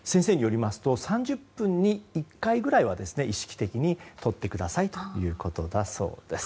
３０分に１回ぐらいは意識的にとってくださいということだそうです。